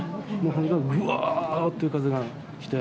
本当、ぐわぁっていう風が来て。